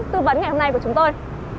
tư vấn ngày hôm nay của chúng tôi